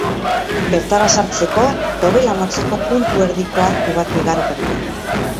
Bertara sartzeko, dobela motzeko puntu-erdiko arku bat igaroko dugu.